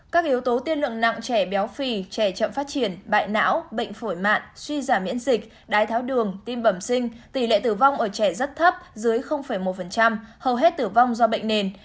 các yếu tố tiên lượng nặng trẻ béo phì trẻ chậm phát triển bại não bệnh phổi mạn suy giảm miễn dịch đái tháo đường tim bẩm sinh tỷ lệ tử vong ở trẻ rất thấp dưới một hầu hết tử vong do bệnh nền